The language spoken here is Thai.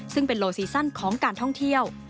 ซึ่งเป็นโลซีซั่นของการท่องเที่ยว